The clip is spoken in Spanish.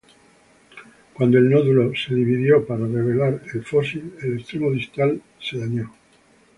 Cuando el nódulo fue dividido para revelar el fósil, el extremo distal fue dañado.